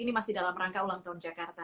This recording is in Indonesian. ini masih dalam rangka ulang tahun jakarta